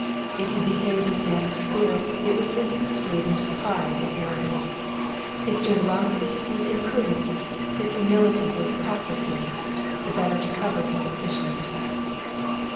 If he behaved with manly spirit, it was misconstrued into pride and arrogance; his generosity was imprudence; his humility was hypocrisy, the better to cover his ambition.